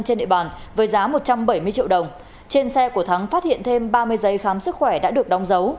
trên địa bàn với giá một trăm bảy mươi triệu đồng